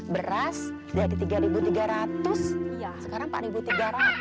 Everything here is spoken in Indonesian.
beras dari tiga tiga ratus sekarang empat tiga ratus